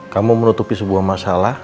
kamu menutupi sebuah masalah